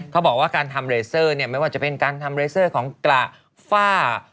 เขาบอกว่าการทำเลเซอร์เนี่ยไม่ว่าจะเป็นการทำเลเซอร์ของกระฝ้า